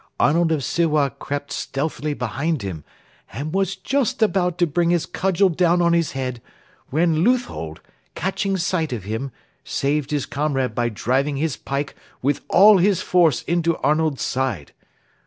Arnold of Sewa crept stealthily behind him, and was just about to bring his cudgel down on his head, when Leuthold, catching sight of him, saved his comrade by driving his pike with all his force into Arnold's side.